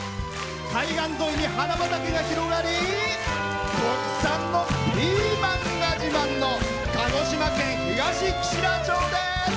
海岸沿いに花畑が広がり特産のピーマンが自慢の鹿児島県東串良町です。